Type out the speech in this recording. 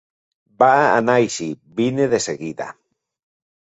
Va anar així: vine de seguida.